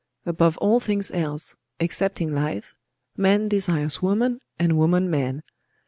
Above all things else, excepting life, man desires woman, and woman man.